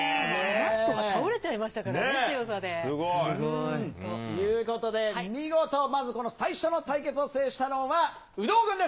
マットが倒れちゃいましたかすごい。ということで、見事、まずこの最初の対決を制したのは、有働軍です。